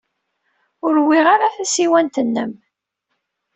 Ur wwiɣ ara tasiwant-nnem.